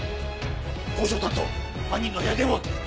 交渉担当犯人の部屋電は！？